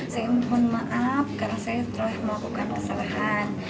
saya mohon maaf karena saya telah melakukan kesalahan